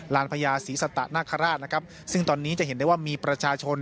พญาศรีสตะนาคาราชนะครับซึ่งตอนนี้จะเห็นได้ว่ามีประชาชน